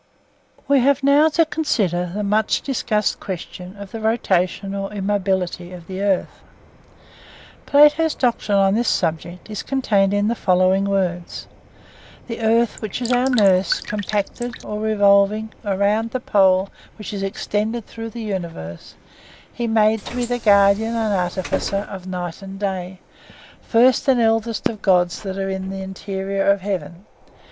We have now to consider the much discussed question of the rotation or immobility of the earth. Plato's doctrine on this subject is contained in the following words:—'The earth, which is our nurse, compacted (OR revolving) around the pole which is extended through the universe, he made to be the guardian and artificer of night and day, first and eldest of gods that are in the interior of heaven'.